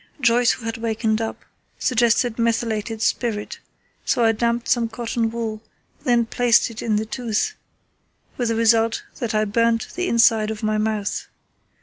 Joyce, who had wakened up, suggested methylated spirit, so I damped some cotton wool, then placed it in the tooth, with the result that I burnt the inside of my mouth.